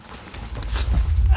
あ！